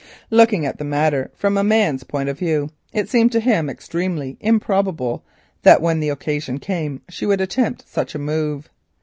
Looking at the matter from a man's point of view, it seemed to him extremely improbable that when the occasion came she would attempt such a move.